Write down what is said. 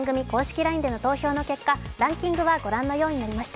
ＬＩＮＥでの投票の結果、ランキングはご覧のようになりました。